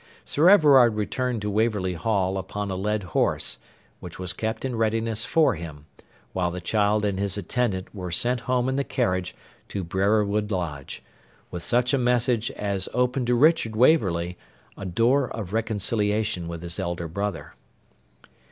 Sir Everard returned to Waverley Hall upon a led horse, which was kept in readiness for him, while the child and his attendant were sent home in the carriage to Brerewood Lodge, with such a message as opened to Richard Waverley a door of reconciliation with his elder brother.